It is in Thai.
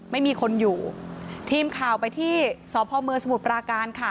ไม่มีคนอยู่ทีมข่าวไปที่สพเมืองสมุทรปราการค่ะ